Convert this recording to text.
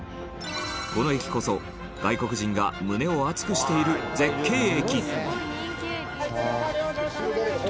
この駅こそ、外国人が胸を熱くしている絶景駅本仮屋：すごい、人気駅。